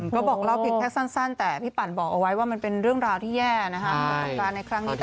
ก็บอกเล่าคลิปแค่สั้นแต่พี่ปั่นบอกเอาไว้ว่ามันเป็นเรื่องราวที่แย่นะครับ